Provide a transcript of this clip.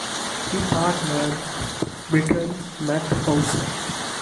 He partnered Briton Matt Howson.